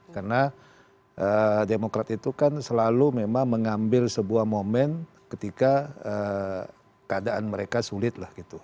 karena demokrat itu kan selalu memang mengambil sebuah momen ketika keadaan mereka sulit lah gitu